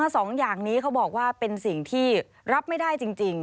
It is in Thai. สองอย่างนี้เขาบอกว่าเป็นสิ่งที่รับไม่ได้จริง